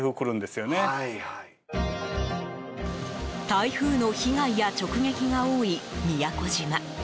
台風の被害や直撃が多い宮古島。